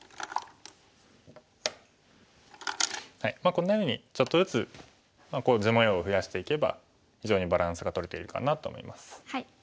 こんなようにちょっとずつ地模様を増やしていけば非常にバランスがとれているかなと思います。